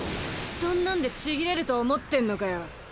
そんなんでちぎれると思ってんのかよ。